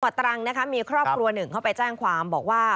จังหวัดตรังมีครอบครัวหนึ่งเข้าไปแจ้งความบอกว่า